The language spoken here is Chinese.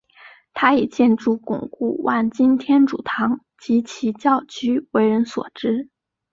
他以建设巩固万金天主堂及其教区为人所知。